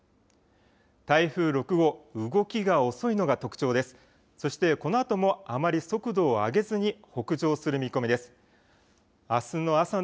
台風６号、動きが遅いのが特徴です。